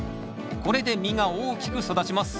これで実が大きく育ちます。